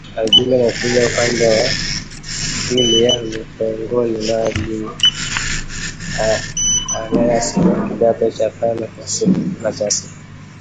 alijiunga na shule ya upili ya Mutonguni na Alliance kwa kidato cha tano na sita